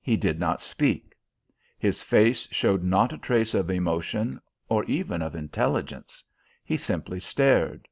He did not speak. His face showed not a trace of emotion or even of intelligence. He simply stared.